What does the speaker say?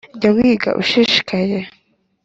jya wiga ushishikaye